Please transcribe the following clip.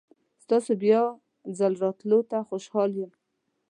تاسو بیا ځل راتلو ته خوشحال یم.